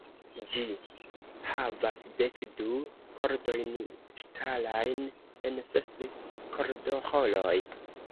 Ĝi havas dekdu kordojn ŝtalajn en ses kordoĥoroj.